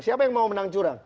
siapa yang mau menang curang